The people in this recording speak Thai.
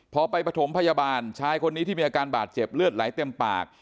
พอไปปฐมพยาบาลชายคนนี้ที่มีอาการบาดเจ็บเลือดไหลเต็มปาก